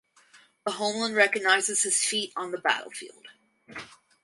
The Homeland recognizes his feat on the battlefield.